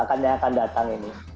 akan datang ini